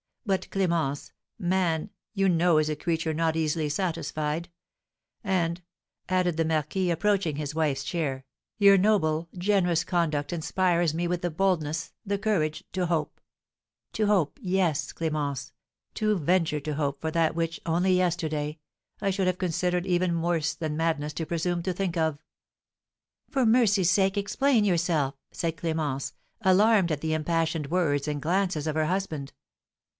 But, Clémence, man, you know, is a creature not easily satisfied; and," added the marquis, approaching his wife's chair, "your noble, generous conduct inspires me with the boldness, the courage, to hope to hope, yes, Clémence, to venture to hope for that which, only yesterday, I should have considered it even worse than madness to presume to think of." "For mercy's sake, explain yourself!" said Clémence, alarmed at the impassioned words and glances of her husband.